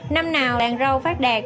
năm nào làng rau phát đạt